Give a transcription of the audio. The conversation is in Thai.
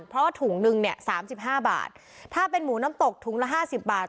เพราะว่าถุงนึงเนี่ยสามสิบห้าบาทถ้าเป็นหมูน้ำตกถุงละห้าสิบบาท